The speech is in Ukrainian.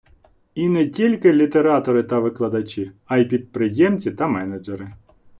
І не тільки літератори та викладачі, а й підприємці та менеджери.